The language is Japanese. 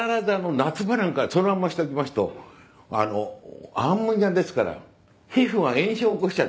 夏場なんかそのまんまにしておきますとアンモニアですから皮膚が炎症を起こしちゃう。